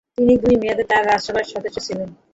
তিনি দুই মেয়াদে রাজ্যসভার সদস্য ছিলেন।